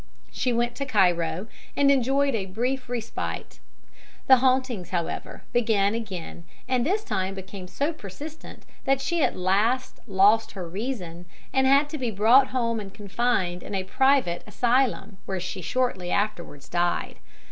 She went to Cairo and enjoyed a brief respite; the hauntings, however, began again, and this time became so persistent that she at last lost her reason, and had to be brought home and confined in a private asylum, where she shortly afterwards died.